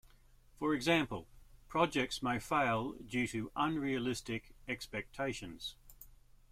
For example, projects may fail due to unrealistic expectations.